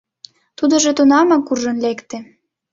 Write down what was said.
Тудыжо тунамак куржын лекте.